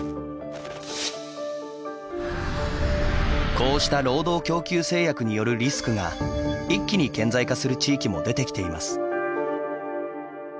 こうした労働供給制約によるリスクが一気に顕在化する地域も出てきています。